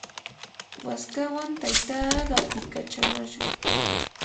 waskawan taytaa qatikachamashqa.